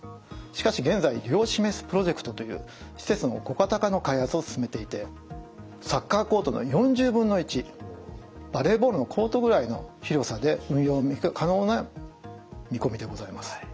しかし現在量子メスプロジェクトという施設の小型化の開発を進めていてサッカーコートの４０分の１バレーボールのコートぐらいの広さで運用可能な見込みでございます。